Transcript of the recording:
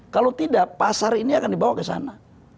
kalau tidak pasar ini akan dibawa ke sana